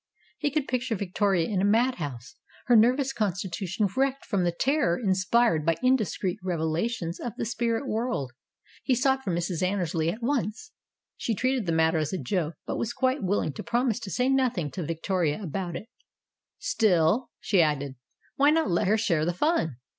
He could picture Victoria in a madhouse, her nervous constitution wrecked from the terror inspired by indiscreet revelations of the spirit world. He sought for Mrs. Annersley at once. She treated the matter as a joke, but was quite willing to promise to say nothing to Victoria about it. "Still," she added, "why not let her share the fun?